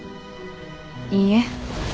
いいえ。